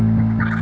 aku mau ke sana